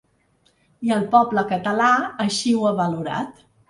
I el poble català així ho ha valorat.